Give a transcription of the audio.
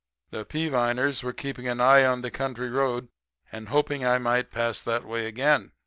The Peaviners were keeping an eye on the country road and hoping I might pass that way again.